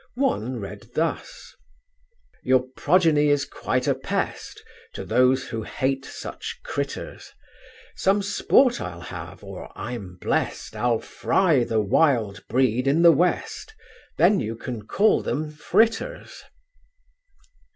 One read thus: Your progeny is quite a pest To those who hate such "critters"; Some sport I'll have, or I'm blest I'll fry the Wilde breed in the West Then you can call them Fritters.